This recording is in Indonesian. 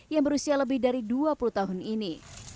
yang berusia lebih dari dua puluh tahun ini